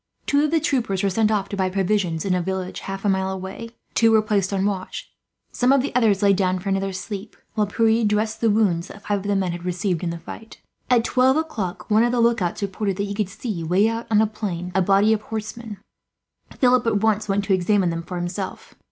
Two of the troopers were sent off to buy provisions in a village, half a mile away. Two were placed on watch. Some of the others lay down for another sleep, while Pierre redressed the wounds that five of the men had received in the fight. At twelve o'clock one of the lookouts reported that he could see, away out on the plain, a body of horsemen. Philip at once went to examine them for himself.